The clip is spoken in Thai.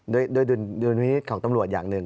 โดยดุลพินิษฐ์ของตำรวจอย่างหนึ่ง